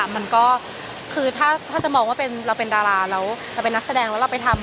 มันก็คือถ้าจะมองว่าเราเป็นดาราแล้วเราเป็นนักแสดงแล้วเราไปทำ